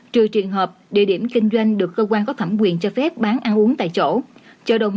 trừ trường hợp địa điểm kinh doanh được cơ quan có thẩm quyền cho phép bán ăn uống tại chỗ